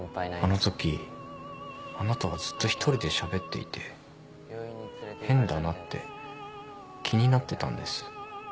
あのときあなたはずっと１人でしゃべっていて変だなって気になってたんです。